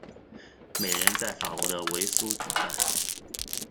每年在法国的维苏举办。